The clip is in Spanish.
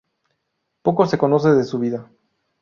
Poco se conoce de su vida.